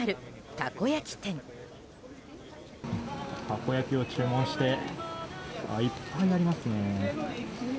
たこ焼きを注文していっぱいありますね。